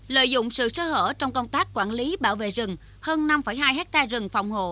lợi dụng sự sơ hở trong công tác quản lý bảo vệ rừng hơn năm hai hectare rừng phòng hộ